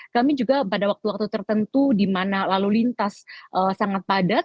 kami juga pada waktu waktu tertentu di mana lalu lintas sangat padat